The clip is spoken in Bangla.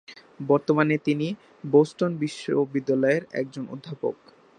বর্তমানে তিনি বোস্টন বিশ্ববিদ্যালয়ের একজন অধ্যাপক।